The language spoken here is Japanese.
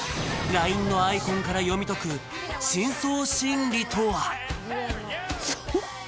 ＬＩＮＥのアイコンから読み解く深層心理とは？